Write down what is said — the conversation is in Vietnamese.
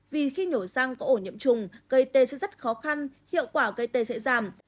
vì khi nhổ răng có ổ nhiễm trùng gây t sẽ rất khó khăn hiệu quả gây t sẽ giảm